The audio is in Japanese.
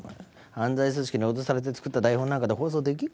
犯罪組織に脅されて作った台本なんかで放送できっかよ。